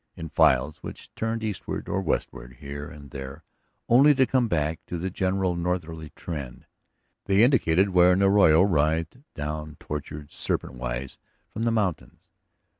In files which turned eastward or westward here and there only to come back to the general northerly trend, they indicated where an arroyo writhed down, tortured serpent wise, from the mountains.